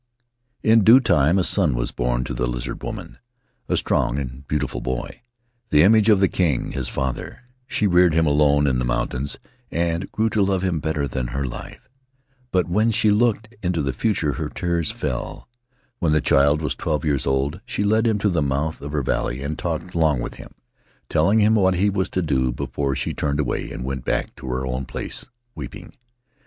"In due time a son was born to that Lizard Woman — a strong and beautiful boy, the image of the king his father; she reared him alone in the mountains and grew to love him better than her life. But when she looked into the future her tears fell. When the child was twelve years old she led him to the mouth of her valley and talked long with him, telling him what he was to do, before she turned away and went back to her own place, weeping.